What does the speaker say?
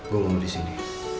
gue mau disini